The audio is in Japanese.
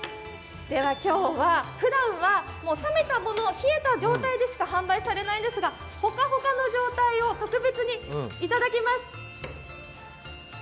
ふだんは、冷えた状態でしか販売されないですが、今日は、ほかほかの状態を特別にいただきます。